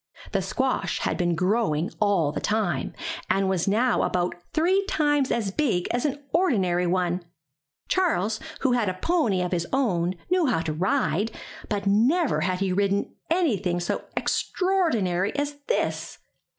The squash had been growing all the time, and was now about three times as big as an ordinary one. Charles, who had a pony of his own, knew how to ride, but never had he ridden anything so extraordinary as this.